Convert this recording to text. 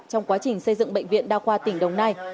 trong quá trình xây dựng bệnh viện đa khoa tỉnh đồng nai